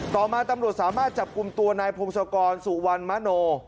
ต่อมาตำรวจสามารถจับกลุ่มตัวนายพงศกรสุวรรณมโน